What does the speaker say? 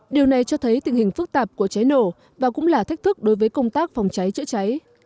điều này cho thấy tình hình phức tạp của cháy nổ và cũng là thách thức đối với công tác phòng cháy chữa cháy